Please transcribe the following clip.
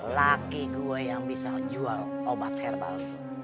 laki gue yang bisa jual obat herbal